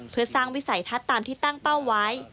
เพื่อสร้างวิสัยทัศน์ตามที่ตั้งเป้าไว้